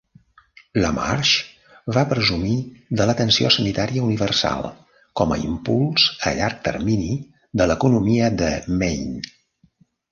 LaMarche va presumir de l'atenció sanitària universal com a impuls a llarg termini de l'economia de Maine.